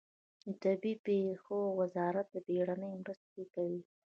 د طبیعي پیښو وزارت بیړنۍ مرستې کوي